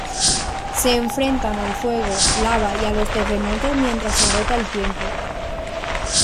Se enfrentan al fuego, lava, y a los terremotos mientras se agota el tiempo.